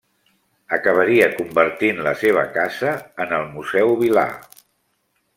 Acabaria convertint la seva casa en el Museu Vilà.